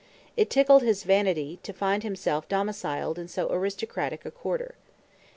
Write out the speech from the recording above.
It tickled his vanity to find himself domiciled in so aristocratic a quarter.